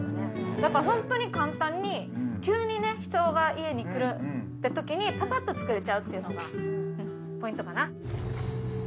だから本当に簡単に急にね人が家に来るって時にパパッと作れちゃうっていうのがポイントかな。